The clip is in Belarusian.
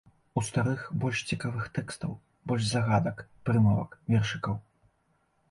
У старых больш цікавых тэкстаў, больш загадак, прымавак, вершыкаў.